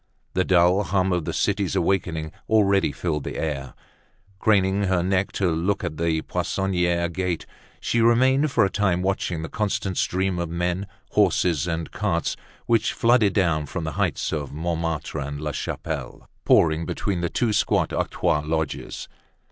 The dull hum of the city's awakening already filled the air. Craning her neck to look at the Poissonniere gate, she remained for a time watching the constant stream of men, horses, and carts which flooded down from the heights of Montmartre and La Chapelle, pouring between the two squat octroi lodges.